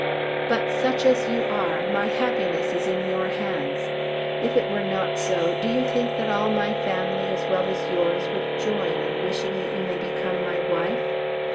"But, such as you are, my happiness is in your hands. If it were not so, do you think that all my family as well as yours would join in wishing that you may become my wife?